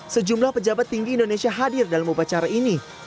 sejumlah pejabat tinggi indonesia hadir dalam upacara ini